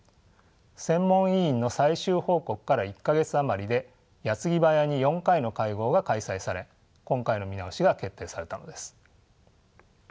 専門委員の最終報告から１か月余りで矢継ぎ早に４回の会合が開催され今回の見直しが決定されたのです。